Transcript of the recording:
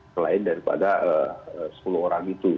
selain daripada sepuluh orang itu